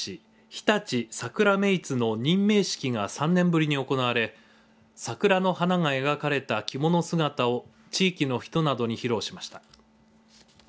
日立さくらメイツの任命式が３年ぶりに行われ桜の花が描かれた着物姿を地域の人などに披露しました。